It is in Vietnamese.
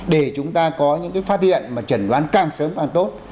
để chúng ta có những cái phát hiện mà chẩn đoán càng sớm càng tốt